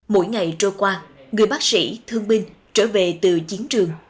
mỗi ngày trôi qua người bác sĩ thương binh trở về từ chiến trường